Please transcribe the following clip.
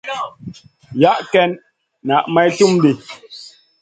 Yah ken na may slum di.